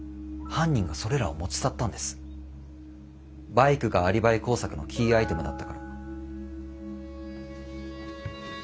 バイクがアリバイ工作のキーアイテムだったから。